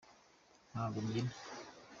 ntago mbyina.